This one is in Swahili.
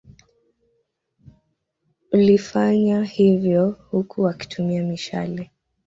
Wlifanya hivyo huku wakitumia mishale